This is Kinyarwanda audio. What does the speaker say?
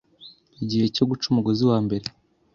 Igihe cyo guca umugozi wambere